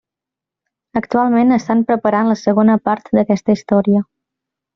Actualment estan preparant la segona part d'aquesta història.